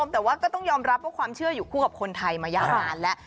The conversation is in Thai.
แต่ว่าก็ต้องยอมรับว่าความเชื่ออยู่คู่กับคนไทยมายาวนานแล้ว